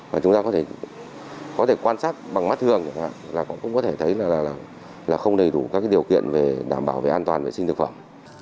và chúng ta có thể quan sát bằng mắt thường là cũng có thể thấy là không đầy đủ các điều kiện đảm bảo về an toàn vệ sinh thực phẩm